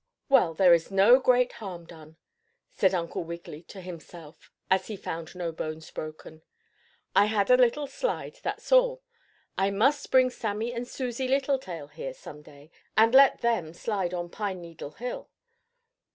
"Well, there is no great harm done," said Uncle Wiggily to himself, as he found no bones broken. "I had a little slide, that's all. I must bring Sammie and Susie Littletail here some day, and let them slide on pine needle hill.